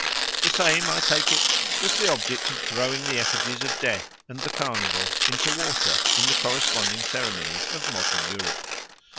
The same, I take it, was the object of throwing the effigies of Death and the Carnival into water in the corresponding ceremonies of modern Europe.